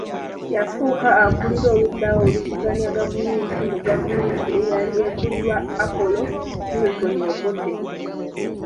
Yafuuka akulira oludda oluvuganya gavumenti mu gavumenti eyali ekulirwa Apollo Milton Obote